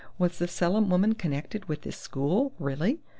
"Was the Selim woman connected with this school, really?...